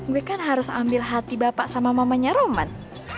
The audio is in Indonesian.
gue kan harus ambil hati bapak sama mamanya roman